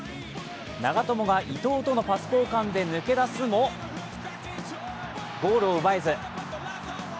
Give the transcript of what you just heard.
長友が伊東とのパス交換で抜け出すもゴールを奪えず。